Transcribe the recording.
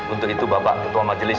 untuk itu bapak ketua majelis